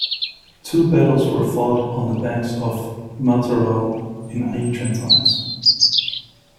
Two battles were fought on the banks of Metauro in ancient times.